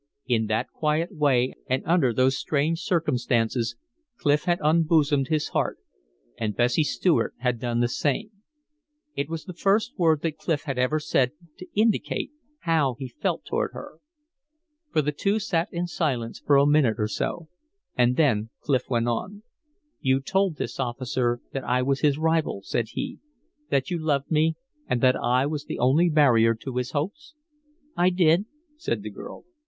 In that quiet way and under those strange circumstances Clif had unbosomed his heart; and Bessie Stuart had done the same. It was the first word that Clif had ever said to indicate how he felt toward her. For the two sat in silence for a minute or so; and then Clif went on: "You told this officer that I was his rival," said he; "that you loved me and that I was the only barrier to his hopes?" "I did," said the girl.